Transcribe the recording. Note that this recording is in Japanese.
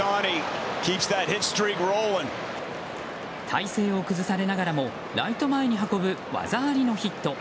体勢を崩されながらもライト前に運ぶ技ありのヒット。